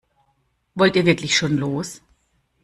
Wollt ihr wirklich schon los?